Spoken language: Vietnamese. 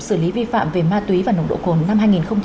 xử lý vi phạm về ma túy và nồng độ cồn năm hai nghìn hai mươi ba